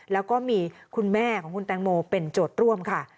แล้วก็มีคุณแม่ของคุณแตงโมเป็นโจทย์ร่วมค่ะ